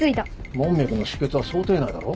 門脈の出血は想定内だろ？